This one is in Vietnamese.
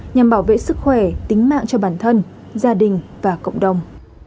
nhằm bảo vệ sức khỏe tính mạng cho bản thân gia đình và cộng đồng